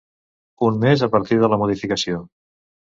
Un mes a partir de la modificació.